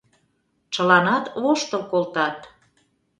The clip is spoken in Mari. Чыланат воштыл колтат.